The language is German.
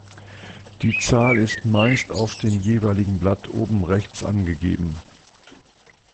Die Zahl ist meist auf dem jeweiligen Blatt oben rechts angegeben.